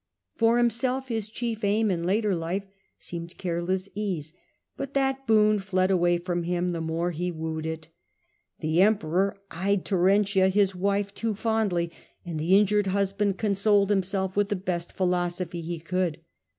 For himself his chief aim in later life His domestic seemed careless ease, but that boon fled trials, away from him the more he wooed it. The Emperor eyed Terentia, his wife, too fondly, and the injured hus band consoled himself with the best philosophy he could.